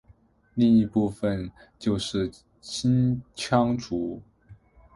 另一部分就是青羌族。